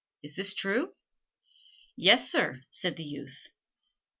Is this true?" "Yes, sir," said the youth.